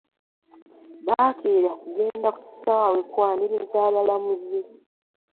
Baakera kugenda ku kisaawe kwaniriza abalambuzi.